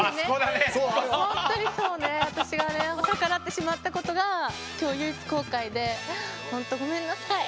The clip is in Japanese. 本当にそうね私がね逆らってしまったことが今日唯一後悔で本当ごめんなさい。